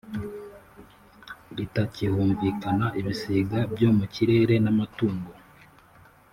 ritakihumvikana Ibisiga byo mu kirere n amatungo